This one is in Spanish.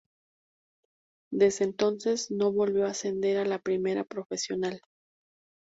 Desde entonces no volvió a ascender a la primera profesional.